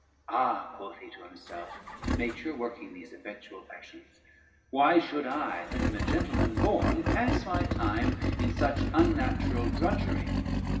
"Ah," quoth he to himself, nature working these effectual passions, "why should I, that am a gentleman born, pass my time in such unnatural drudgery?